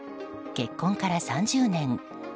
結婚から３０年。